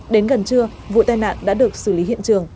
đến gần trưa vụ tai nạn đã được xử lý hiện trường